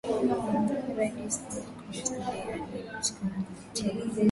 radislav krstic ndiye aliyepatikana na hatia